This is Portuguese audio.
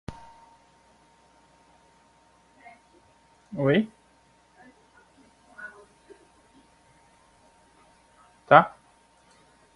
Sistemas livres permitem personalização e adaptação.